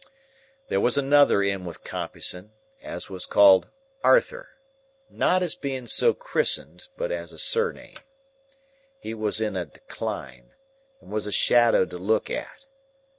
"There was another in with Compeyson, as was called Arthur,—not as being so chrisen'd, but as a surname. He was in a Decline, and was a shadow to look at.